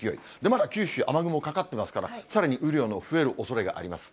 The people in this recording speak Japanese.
まだ九州、雨雲かかっていますから、さらに雨量の増えるおそれがあります。